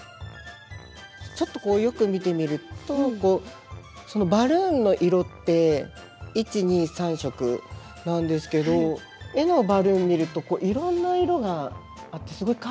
ちょっとこうよく見てみるとバルーンの色って１２３色なんですけど絵のバルーン見るといろんな色があってすごいカラフルですよね。